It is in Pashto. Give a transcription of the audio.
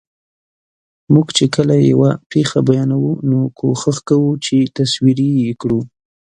موږ چې کله یوه پېښه بیانوو، نو کوښښ کوو چې تصویري یې کړو.